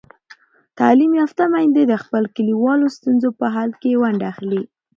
تعلیم یافته میندې د خپلو کلیوالو ستونزو په حل کې ونډه اخلي.